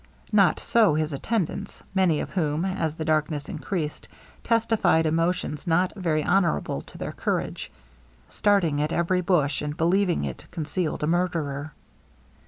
Not so his attendants, many of whom, as the darkness increased, testified emotions not very honourable to their courage: starting at every bush, and believing it concealed a murderer.